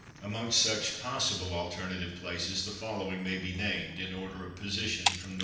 Amongst such possible alternative places the following may be named (in order of position from N.W.